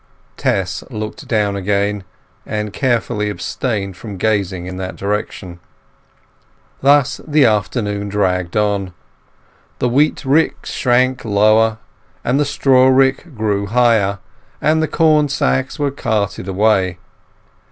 Tess looked down again, and carefully abstained from gazing in that direction. Thus the afternoon dragged on. The wheat rick shrank lower, and the straw rick grew higher, and the corn sacks were carted away.